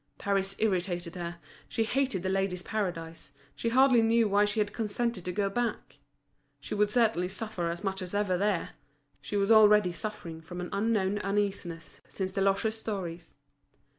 Paris irritated her, she hated The Ladies' Paradise, she hardly knew why she had consented to go back. She would certainly suffer as much as ever there; she was already suffering from an unknown uneasiness since Deloche's stories.